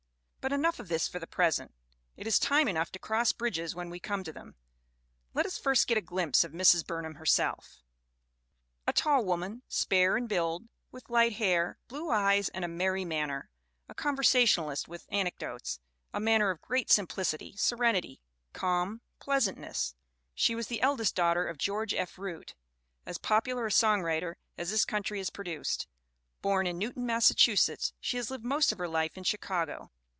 But enough of this for the present; it is time enough to cross bridges when we come to them. Let us first get a glimpse of Mrs. Burnham herself. CLARA LOUISE BURNHAM 269 A tall woman, spare in build, with light hair, blue eyes and a merry manner, a conversationalist with an ecdotes, a manner of great simplicity, serenity, calm pleasantness. She was the eldest daughter of George F. Root, as popular a songwriter as this country has produced. Born in Newton, Massachusetts, she has lived most of her life in Chicago.